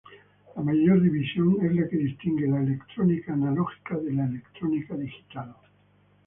La mayor división es la que distingue la electrónica analógica de la electrónica digital.